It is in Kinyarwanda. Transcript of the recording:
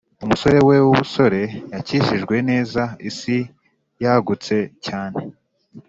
umusore we wubusore, yakijijwe neza, isi yagutse cyane